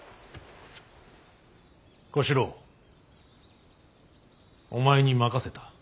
小四郎お前に任せた。